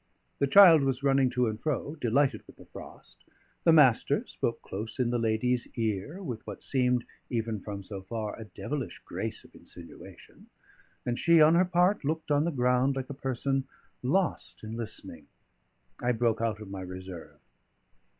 The child was running to and fro, delighted with the frost; the Master spoke close in the lady's ear with what seemed (even from so far) a devilish grace of insinuation; and she on her part looked on the ground like a person lost in listening. I broke out of my reserve.